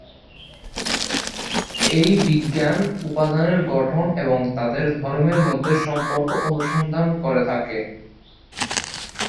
এই বিজ্ঞান উপাদানের গঠন এবং তাদের ধর্মের মধ্যে সম্পর্ক অনুসন্ধান করে থাকে।